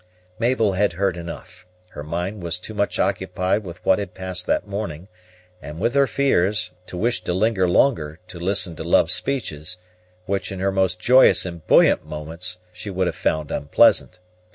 Mabel had heard enough: her mind was too much occupied with what had passed that morning, and with her fears, to wish to linger longer to listen to love speeches, which in her most joyous and buoyant moments she would have found unpleasant.